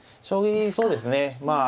将棋そうですね。